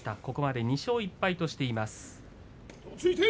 ここまで２勝１敗としています。